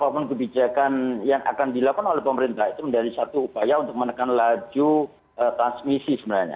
ya itu memang kebijakan yang akan dilakukan oleh pemerintah itu dari satu upaya untuk menekan laju transmisi sebenarnya